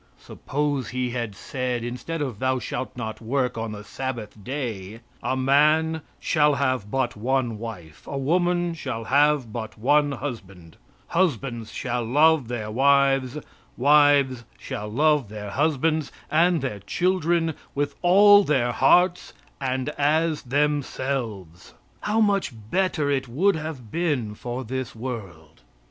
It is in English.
Suppose He had said, instead of "Thou shalt not work on the Sabbath day," "A man shall have but one wife; a woman shall have but one husband; husbands shall love their wives; wives shall love their husbands and their children with all their hearts and as themselves" how much better it would have been for this world.